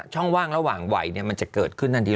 ช่องว่างระหว่างไหวมันจะเกิดขึ้นทันที